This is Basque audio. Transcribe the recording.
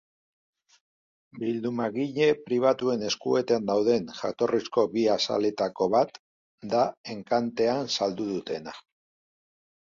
Bildumagile pribatuen eskuetan dauden jatorrizko bi azaletako bat da enkantean saldu dutena.